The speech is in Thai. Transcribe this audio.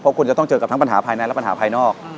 เพราะคุณจะต้องเจอกับทั้งปัญหาภายในและปัญหาภายนอก